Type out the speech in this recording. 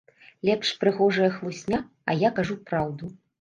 Лепш прыгожая хлусня, а я кажу праўду.